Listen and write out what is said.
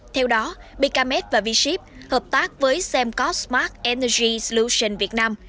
theo đó becamec và v ship hợp tác với semcov smart energy solution việt nam